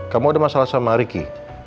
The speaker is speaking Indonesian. kamu ada masalah sama ricky